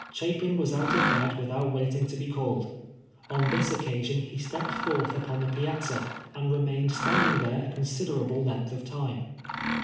Chapin was out of bed without waiting to be called. On this occasion, he stepped forth upon the piazza, and remained standing there a considerable length of time.